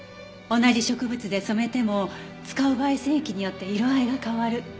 同じ植物で染めても使う媒染液によって色合いが変わる。